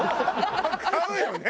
買うよね？